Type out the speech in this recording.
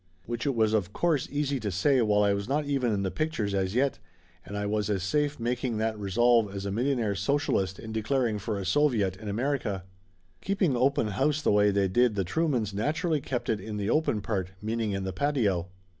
Which it was of course easy to say while I was not even in the pic tures as yet, and I was as safe making that resolve as a millionaire socialist in declaring for a soviet in America. Keeping open house the way they did the Truemans naturally kept it in the open part, meaning in the patio.